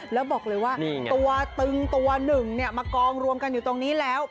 แล้วบอกเลยว่าตัวตึงตัวหนึ่งมากองรวมกันอยู่ตรงนี้แล้ว